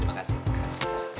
terima kasih pak